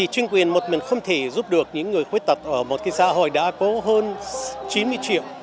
chính quyền một mình không thể giúp được những người khuyết tật ở một xã hội đã có hơn chín mươi triệu